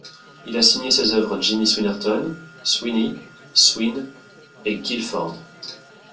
Il a signé ses œuvres Jimmy Swinnerton, Swinny, Swin et Guilford.